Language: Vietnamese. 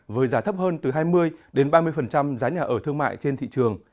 với giá thấp hơn từ hai mươi ba mươi giá nhà ở thương mại trên thị trường